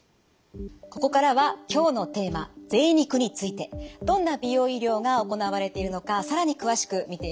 ここからは今日のテーマぜい肉についてどんな美容医療が行われているのか更に詳しく見ていきます。